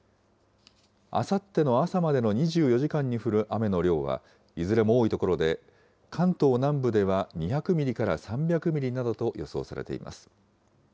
あさっての朝までの２４時間に降る雨の量は、いずれも多い所で、関東南部では２００ミリから３００ミリなどと予想されています。